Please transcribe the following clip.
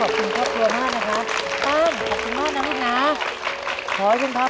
บ้านขอบคุณมากนะครับ